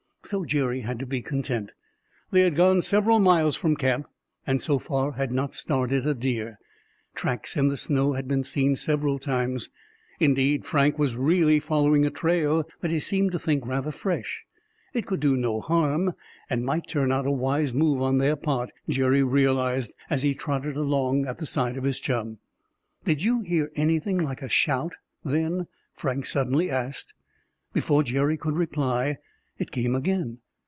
So Jerry had to be content. They had gone several miles from camp, and so far had not started a deer. Tracks in the snow had been seen several times. Indeed, Frank was really following a trail that he seemed to think rather fresh. It could do no harm, and might turn out a wise move on their part, Jerry realized, as he trotted along at the side of his chum. "Did you hear anything like a shout then?" Frank suddenly asked. Before Jerry could reply, it came again.